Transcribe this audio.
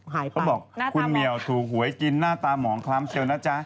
เขาบอกคุณเหมียวถูกหวยกินหน้าตาหมองคล้ำเชียวนะจ๊ะ